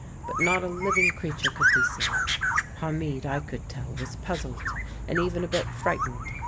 But not a living creature could be seen. Hamid, I could tell, was puzzled, and even a bit frightened.